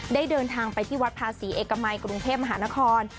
เดินทางไปที่วัดภาษีเอกมัยกรุงเทพมหานคร